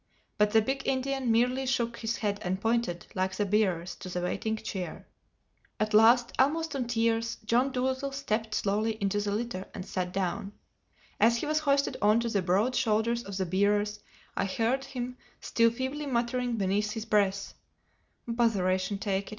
But the big Indian merely shook his head and pointed, like the bearers, to the waiting chair. At last, almost in tears, John Dolittle stepped slowly into the litter and sat down. As he was hoisted on to the broad shoulders of the bearers I heard him still feebly muttering beneath his breath, "Botheration take it!